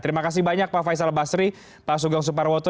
terima kasih banyak pak faisal basri pak sugeng suparwoto